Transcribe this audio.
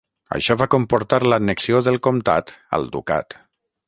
Això va comportar l'annexió del comtat al ducat.